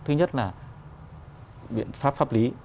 thứ nhất là biện pháp pháp lý